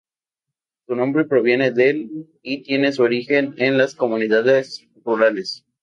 Su nombre proviene del, y tiene su origen en las comunidades rurales.